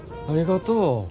ありがとう。